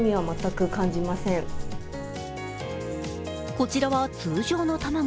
こちらは通常の卵。